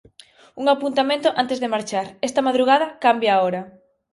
Un apuntamento antes de marchar, esta madrugada cambia a hora.